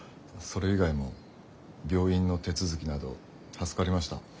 それ以外も病院の手続きなど助かりました。